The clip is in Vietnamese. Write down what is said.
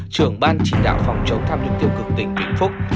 trưởng ban chỉ đạo phòng chống tham nhũng tiêu cực tỉnh vĩnh phúc